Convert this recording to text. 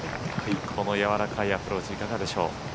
このやわらかいアプローチいかがでしょう。